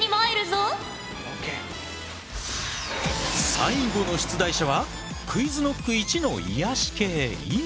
最後の出題者はＱｕｉｚＫｎｏｃｋいちの癒やし系乾！